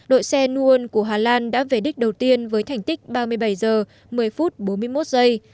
đội xe nuon của hà lan đã về đích đầu tiên với thành tích ba mươi bảy giờ một mươi phút bốn mươi một giây